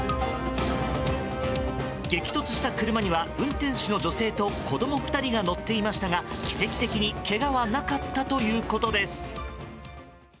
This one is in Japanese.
激突した車には運転手の女性と子供２人が乗っていましたが奇跡的にけがはなかったということです。